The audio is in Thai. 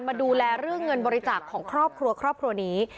มาดูแลเรื่องเงินบริจาคของครอบครัวครอบครัวนี้